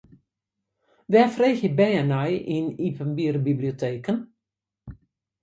Wêr freegje bern nei yn iepenbiere biblioteken?